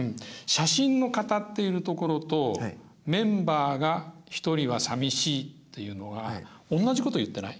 写真の語っているところと「メンバーが一人はさみしい」っていうのが同じこと言ってない？